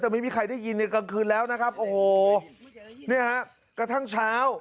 แต่ไม่มีใครได้ยินในกลางคืนแล้วนะครับโอ้โหเนี่ยฮะกระทั่งเช้า